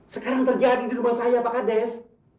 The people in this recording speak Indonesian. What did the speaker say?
sekarang terjadi di rumah saya pak kades